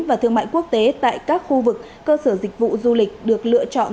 và thương mại quốc tế tại các khu vực cơ sở dịch vụ du lịch được lựa chọn